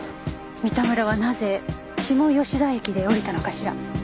三田村はなぜ下吉田駅で降りたのかしら？